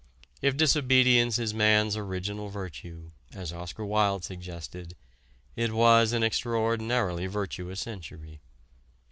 If disobedience is man's original virtue, as Oscar Wilde suggested, it was an extraordinarily virtuous century.